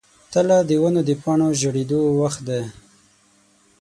تله د ونو د پاڼو ژیړیدو وخت دی.